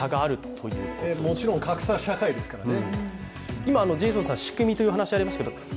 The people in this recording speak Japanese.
もちろん格差社会ですからね。